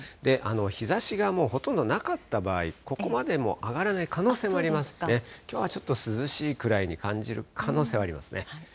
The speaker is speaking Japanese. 日ざしがもうほとんどなかった場合、ここまでも上がらない可能性もありますのでね、きょうはちょっと涼しいくらいに感じる可能性はありますね。